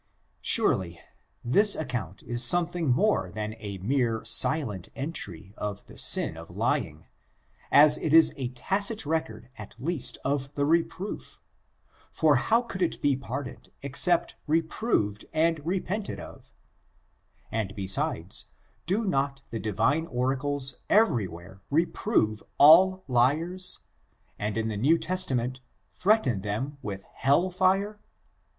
Surely, this account is something more than a mere silent entry of the sin of lying, as it is a tadi record at least of the reproof) for how could it be pardoned except reproved and repented of 7 And be sides, do not the Divine oracles every where reprove all liars, and in the New Testament threaten them with hell fire?